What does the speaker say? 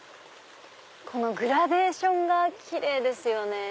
このグラデーションがキレイですよね。